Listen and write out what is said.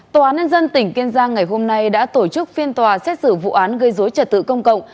tòa án nhân dân tỉnh kiên giang ngày hôm nay đã tổ chức phiên tòa xét xử vụ án gây dối trật tự công cộng